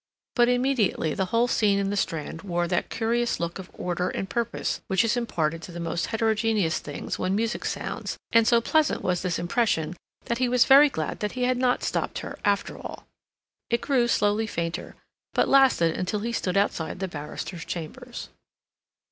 But immediately the whole scene in the Strand wore that curious look of order and purpose which is imparted to the most heterogeneous things when music sounds; and so pleasant was this impression that he was very glad that he had not stopped her, after all. It grew slowly fainter, but lasted until he stood outside the barrister's chambers.